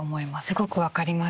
すごく分かります。